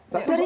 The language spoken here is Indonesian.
dari mana itu